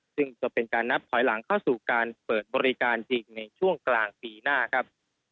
ซึ่งจะเป็นการนับถอยหลังเข้าสู่การเปิดบริการจริงในช่วงกลางปีหน้าครับ